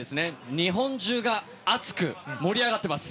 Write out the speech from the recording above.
日本中が熱く盛り上がっています。